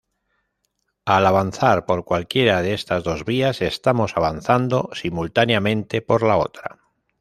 Al avanzar por cualquiera de estas dos vías estamos avanzando, simultáneamente, por la otra.